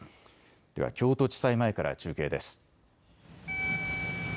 では京都地裁前から中継です。